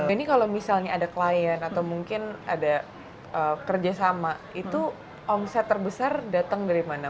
ini kalau misalnya ada klien atau mungkin ada kerjasama itu omset terbesar datang dari mana